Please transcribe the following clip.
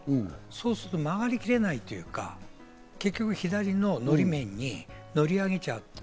そうすると曲がりきれないというか、結局、左ののり面に乗り上げちゃう。